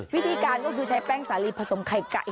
วิธีการก็คือใช้แป้งสาลีผสมไข่ไก่